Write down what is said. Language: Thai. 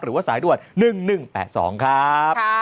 หรือว่าสายด่วน๑๑๘๒ครับ